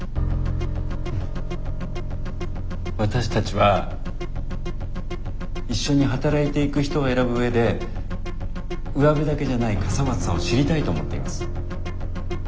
わたしたちは一緒に働いていく人を選ぶ上でうわべだけじゃない笠松さんを知りたいと思っています。